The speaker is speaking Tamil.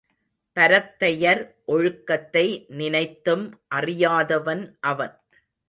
பரத்தையர் ஒழுக்கத்தை நினைத்தும் அறியாதவன் அவன்.